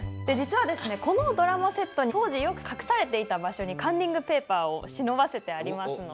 このドラマセットに当時よく隠されていた場所にカンニングペーパーを忍ばせてありますので。